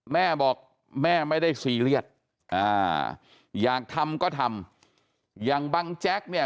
แม่บอกแม่ไม่ได้ซีเรียสอ่าอยากทำก็ทำอย่างบังแจ๊กเนี่ย